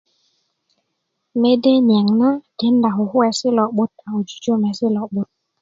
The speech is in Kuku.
mede niaŋ na tikinda kukuwesi lo'but ko jujumesi' lo'but